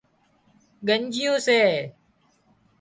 ڳنڄيون سي